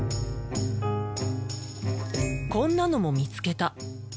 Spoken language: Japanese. こんなのも見つけた。